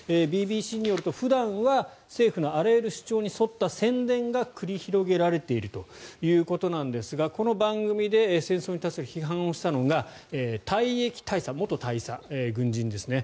ＢＢＣによると、普段は政府のあらゆる主張に沿った宣伝が繰り広げられているということなんですがこの番組で戦争に携わる批判をしたのが退役大佐元大佐、軍人ですね。